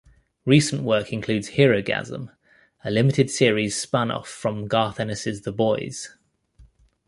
Recent work includes "Herogasm" a limited series spun off from Garth Ennis' "The Boys".